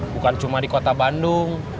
bukan cuma di kota bandung